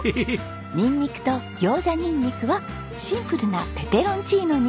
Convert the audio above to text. ニンニクと行者ニンニクはシンプルなペペロンチーノに。